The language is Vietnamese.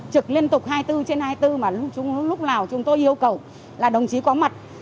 trực liên tục hai mươi bốn trên hai mươi bốn mà lúc nào chúng tôi yêu cầu là đồng chí có mặt